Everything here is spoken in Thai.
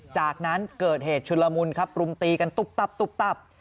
จากนั้นเกิดเหตุชุลมุนครับรุมตีกันตุ๊บ